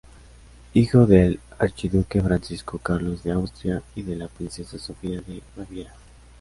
Hijo del archiduque Francisco Carlos de Austria y de la princesa Sofía de Baviera.